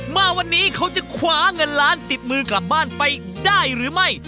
มาวันนี้เขาจะคว้าเงินล้านติดมือกลับบ้านไปได้หรือไม่